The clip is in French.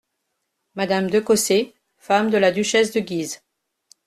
Madame DE COSSÉ , femme de la duchesse de Guise.